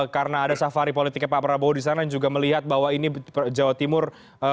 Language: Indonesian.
karena ada safari politiknya pak prabowo di sana juga melihat bahwa ini jawa timur